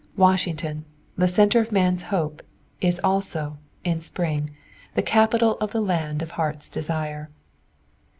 Washington, the center of man's hope, is also, in spring, the capital of the land of heart's desire.